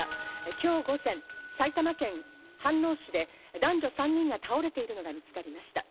今日午前、埼玉県飯能市で男女３人が倒れているのが見つかりました。